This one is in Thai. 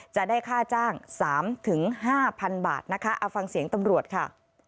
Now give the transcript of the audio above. จะได้ค่าจ้าง๓๕๐๐๐บาทนะคะเอาฟังเสียงตำรวจค่ะ